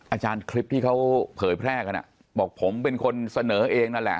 อาจารย์คลิปที่เขาเผยแพร่กันบอกผมเป็นคนเสนอเองนั่นแหละ